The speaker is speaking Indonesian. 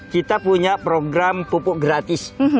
kita punya program pupuk gratis